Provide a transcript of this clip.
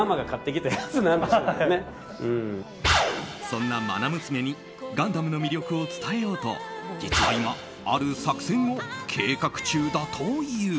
そんな愛娘に「ガンダム」の魅力を伝えようと実は今ある作戦を計画中だという。